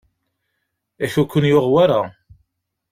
Yak ur ken-yuɣ wara?